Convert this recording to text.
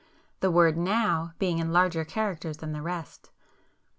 —the word 'Now' being in larger characters than the rest.